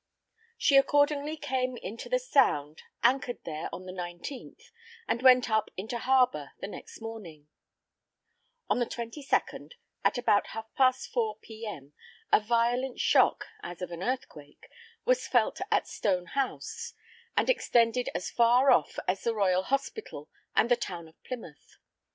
She accordingly came into the sound, anchored there on the 19th, and went up into harbor the next morning. On the 22d, at about half past four P. M. a violent shock, as of an earthquake, was felt at Stone house, and extended as far off as the Royal Hospital and the town of Plymouth.